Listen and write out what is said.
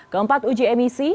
keempat uji emisi